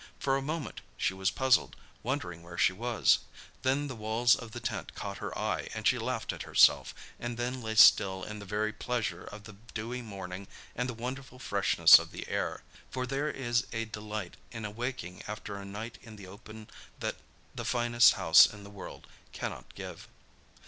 For a moment she was puzzled, wondering where she was; then the walls of the tent caught her eye, and she laughed at herself, and then lay still in the very pleasure of the dewy morning and the wonderful freshness of the air. For there is a delight in awaking after a night in the open that the finest house in the world cannot give.